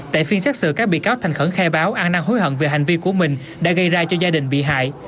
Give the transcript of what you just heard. tại phiên xét xử các bị cáo thành khẩn khai báo an năng hối hận về hành vi của mình đã gây ra cho gia đình bị hại